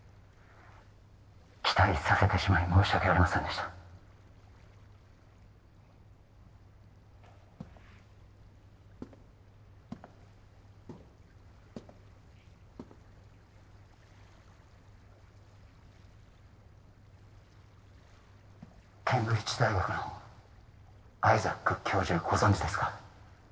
期待させてしまい申し訳ありませんでしたケンブリッジ大学のアイザック教授をご存じですか？